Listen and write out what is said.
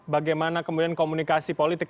bagaimana kemudian komunikasi politik